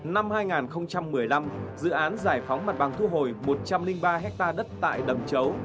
năm hai nghìn một mươi năm dự án giải phóng mặt bằng thu hồi một trăm linh ba ha đất tại đầm chấu